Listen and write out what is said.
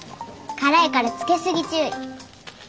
辛いからつけすぎ注意。